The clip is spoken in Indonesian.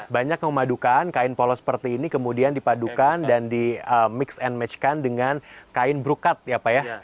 banyak memadukan kain polos seperti ini kemudian dipadukan dan di mix and match kan dengan kain brukat ya pak ya